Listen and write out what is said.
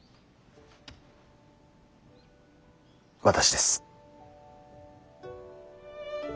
私です。